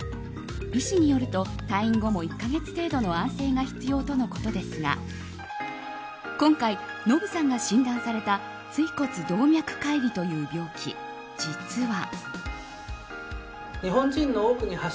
医師によると退院後も１か月程度の安静が必要とのことですが今回、ノブさんが診断された椎骨動脈解離という病気実は。